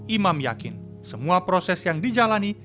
imam yakin semua proses yang dijalani